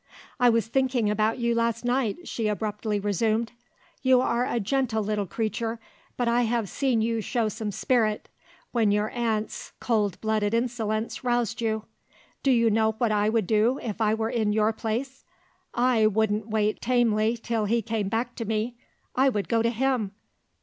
"I was thinking about you last night," she abruptly resumed. "You are a gentle little creature but I have seen you show some spirit, when your aunt's cold blooded insolence roused you. Do you know what I would do, if I were in your place? I wouldn't wait tamely till he came back to me I would go to him.